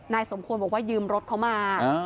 สมควรบอกว่ายืมรถเขามา